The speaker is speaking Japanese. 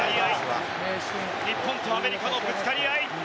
日本とアメリカのぶつかり合い。